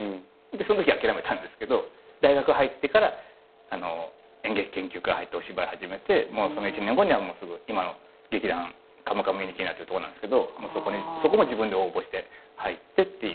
そのとき諦めたんですけど大学入ってから演劇研究会入ってお芝居始めてその１年後には今の劇団カムカムミニキーナっていうとこなんですけどそこも自分で応募して入ってっていう。